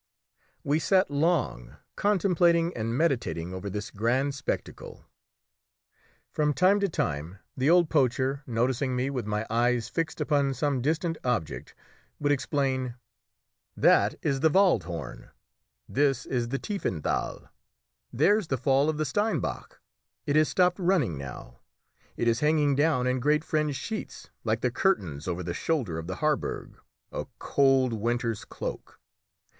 We sat long contemplating and meditating over this grand spectacle. From time to time the old poacher, noticing me with my eyes fixed upon some distant object, would explain "That is the Wald Horn; this is the Tiefenthal; there's the fall of the Steinbach; it has stopped running now; it is hanging down in great fringed sheets, like the curtains over the shoulder of the Harberg a cold winter's cloak!